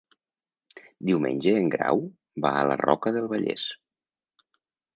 Diumenge en Grau va a la Roca del Vallès.